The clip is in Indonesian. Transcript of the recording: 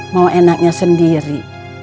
mau enaknya sendiri